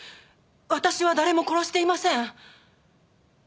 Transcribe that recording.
私は誰も殺していません。